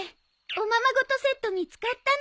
おままごとセット見つかったの。